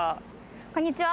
こんにちは。